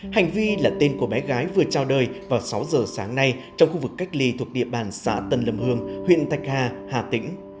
hành vi là tên của bé gái vừa trao đời vào sáu giờ sáng nay trong khu vực cách ly thuộc địa bàn xã tân lâm hương huyện thạch hà hà tĩnh